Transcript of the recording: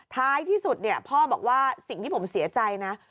ท้ายที่สุดพ่อบอกว่าสิ่งที่ผมเสียใจนะ